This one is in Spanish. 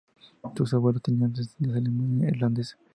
Sus abuelos tenían ascendencia alemana e irlandesa.